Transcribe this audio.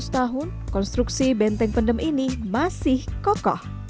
seratus tahun konstruksi benteng pendem ini masih kokoh